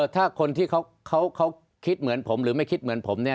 ถ้าคนที่เขาคิดเหมือนผมหรือไม่คิดเหมือนผมเนี่ย